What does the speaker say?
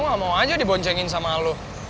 ya gue gak mau aja diboncengin sama lo